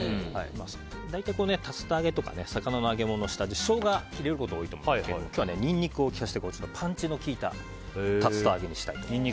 大体、竜田揚げとか魚の揚げ物の下味にはショウガを入れることが多いと思うんですけど今日はニンニクを入れてパンチの効いた竜田揚げにしたいと思います。